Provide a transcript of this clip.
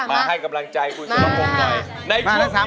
มาให้กำลังใจคุณสรพงศ์หน่อย